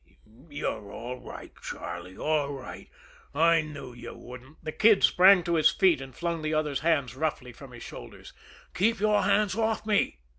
"You're all right, Charlie, all right; I knew you wouldn't " The Kid sprang to his feet, and flung the other's hands roughly from his shoulders. "Keep your hands off me!"